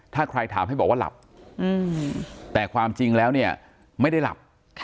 ถ้าใครถามให้บอกว่าหลับแต่ความจริงแล้วเนี่ยไม่ได้หลับ